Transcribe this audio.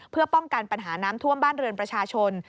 เพื่อป้องกันปัญหาน้ำท่วมบ้านเรือนประชาชน